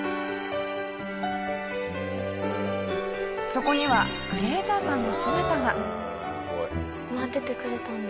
そこにはグレーザーさんの姿が。